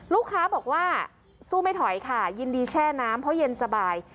ลูกค้าบอกว่าสู้ไม่ถอยค่ะยินดีแช่น้ำเพราะเย็นสบาย